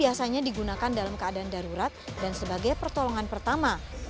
biasanya digunakan dalam keadaan darurat dan sebagai pertolongan pertama